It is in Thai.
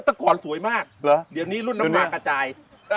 แต่ก่อนสวยมากเหรอเดี๋ยวนี้รุ่นน้ำตากระจาย